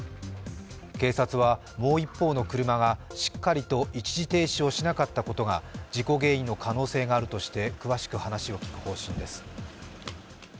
警察はもう一方の車がしっかりと一時停止しなかったことが事故原因の可能性があるとして詳しく話を聞く方針です。